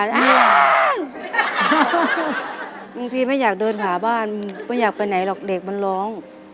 บางทีไม่อยากเดินหาบ้านไม่อยากไปไหนหรอกเด็กมันร้อง